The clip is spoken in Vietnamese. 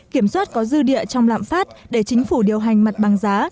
kiểm soát có dư địa trong lạm phát để chính phủ điều hành mặt bằng giá